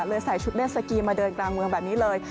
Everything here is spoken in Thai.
ใส่ชุดเมสกีมาเดินกลางเมืองแบบนี้เลย